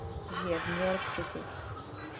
Žije v New York City.